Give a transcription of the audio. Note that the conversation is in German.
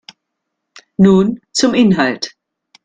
Nun zum Inhalt.